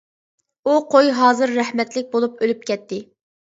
بۇ قوي ھازىر رەھمەتلىك بولۇپ ئۆلۈپ كەتتى.